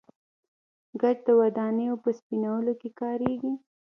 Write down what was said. ګچ د ودانیو په سپینولو کې کاریږي.